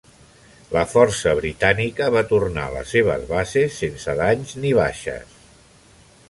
La força britànica va tornar a les seves bases sense danys ni baixes.